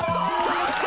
やった！